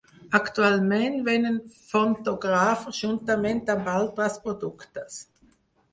Actualment venen Fontographer juntament amb altres productes.